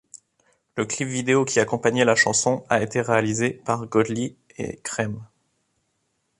Le clip vidéo qui accompagnait la chanson a été réalisé par Godley & Creme.